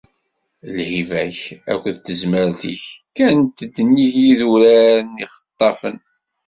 Lhiba-k akked tezmert-ik kkant-d nnig yidurar n yixeṭṭafen.